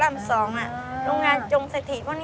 ทำไมมันแย่อย่างนี้เนอะ